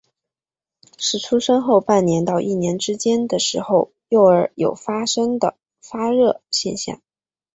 是出生后半年到一年之间的时候幼儿有发生的发热现象。